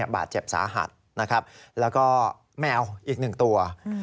บาดเจ็บสาหัสนะครับแล้วก็แมวอีก๑ตัว